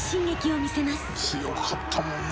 強かったもんな